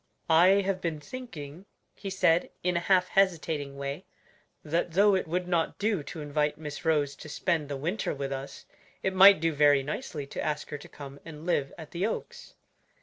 "I have been thinking," he said, in a half hesitating way, "that though it would not do to invite Miss Rose to spend the winter with us, it might do very nicely to ask her to come and live at the Oaks."